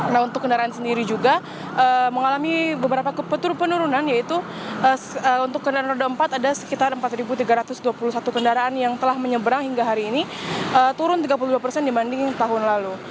nah untuk kendaraan sendiri juga mengalami beberapa kepetur penurunan yaitu untuk kendaraan roda empat ada sekitar empat tiga ratus dua puluh satu kendaraan yang telah menyeberang hingga hari ini turun tiga puluh dua persen dibanding tahun lalu